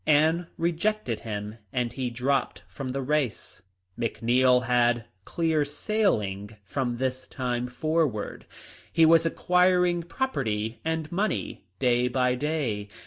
Anne rejected him, and he dropped from the race. McNeil had clear sailing from this time forward. He was acquiring property and money day by day.